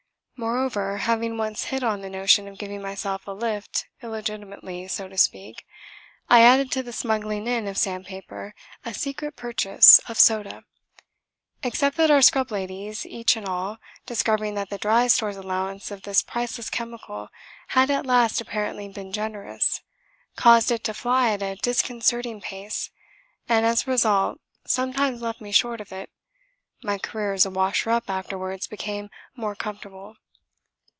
Moreover, having once hit on the notion of giving myself a lift illegitimately, so to speak, I added to the smuggling in of sandpaper a secret purchase of soda. Except that our scrub ladies, each and all, discovering that the Dry Store's allowance of this priceless chemical had at last apparently been generous, caused it to fly at a disconcerting pace, and as a result sometimes left me short of it, my career as a washer up afterwards became more comfortable.